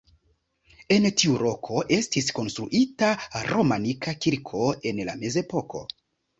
En tiu loko estis konstruita romanika kirko en la mezepoko.